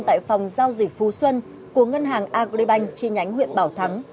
tại phòng giao dịch phú xuân của ngân hàng agribank chi nhánh huyện bảo thắng